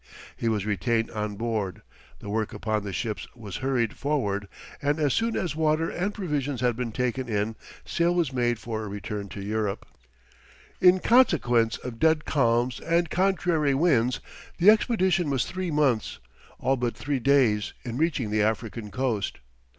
He was retained on board, the work upon the ships was hurried forward, and as soon as water and provisions had been taken in, sail was made for a return to Europe. In consequence of dead calms and contrary winds, the expedition was three months, all but three days, in reaching the African coast.